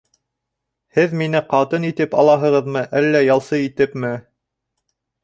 Һеҙ мине ҡатын итеп алаһығыҙмы, әллә ялсы итепме?